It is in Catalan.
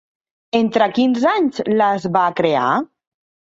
Entre quins anys les va crear?